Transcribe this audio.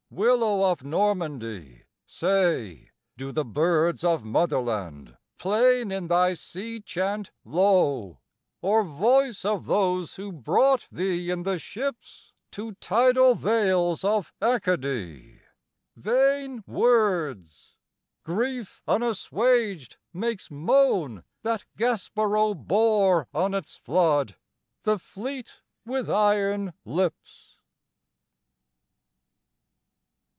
Willow of Normandy, say, do the birds Of Motherland plain in thy sea chant low, Or voice of those who brought thee in the ships To tidal vales of Acadie? Vain words! Grief unassuaged makes moan that Gaspereau Bore on its flood the fleet with iron lips!